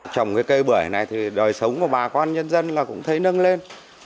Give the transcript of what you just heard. trồng cây bưởi này thì đời sống của bà con nhân dân là cũng thấy nâng lên